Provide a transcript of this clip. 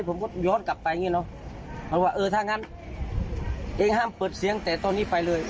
ผมก็ย้อนกลับไปอย่างนี้เนอะมันว่าเออถ้างั้นเองห้ามเปิดเสียงแต่ตอนนี้ไปเลย